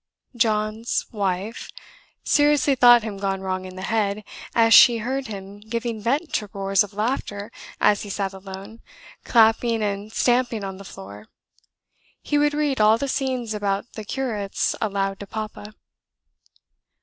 John 's wife seriously thought him gone wrong in the head, as she heard him giving vent to roars of laughter as he sat alone, clapping and stamping on the floor. He would read all the scenes about the curates aloud to papa."